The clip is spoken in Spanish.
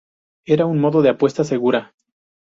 Era un modo de apuesta segura.